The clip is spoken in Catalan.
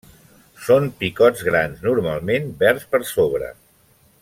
Són picots grans, normalment verds per sobre.